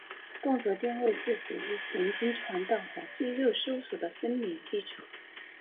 动作电位是实现神经传导和肌肉收缩的生理基础。